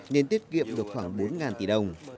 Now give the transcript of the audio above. nên tiết kiệm được khoảng bốn tỷ đồng